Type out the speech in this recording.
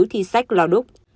thi sách lào đúc